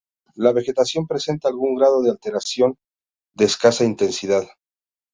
La vegetación presenta algún grado de alteración de escasa intensidad.